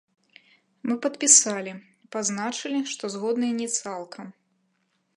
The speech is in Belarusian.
Мы падпісалі, пазначылі, што згодныя не цалкам.